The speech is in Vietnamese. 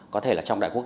có thể là trong đại quốc